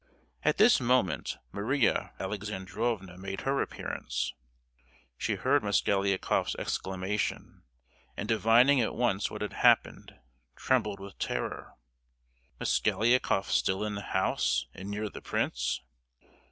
At this moment Maria Alexandrovna made her appearance. She heard Mosgliakoff's exclamation, and, divining at once what had happened, trembled with terror. Mosgliakoff still in the house, and near the prince!